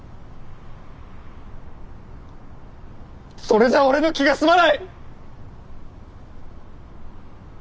それじゃあ俺の気が済まない！